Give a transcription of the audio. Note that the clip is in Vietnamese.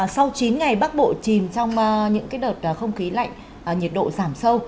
sau chín ngày bắc bộ chìm trong những đợt không khí lạnh nhiệt độ giảm sâu